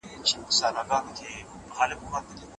مسلمانان د امان تړون په ملاتړ مکلف دي.